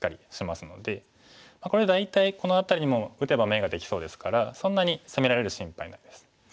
これで大体この辺りにも打てば眼ができそうですからそんなに攻められる心配はないです。